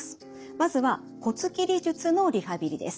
まずは骨切り術のリハビリです。